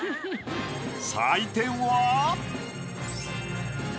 採点は。